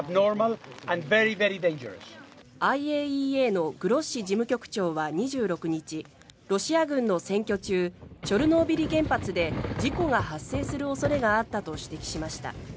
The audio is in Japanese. ＩＡＥＡのグロッシ事務局長は２６日ロシア軍の占拠中チョルノービリ原発で事故が発生する恐れがあったと指摘しました。